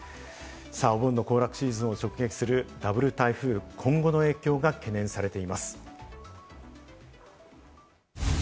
お盆の行楽シーズンを直撃するダブル台風、今後の影響が懸念されています。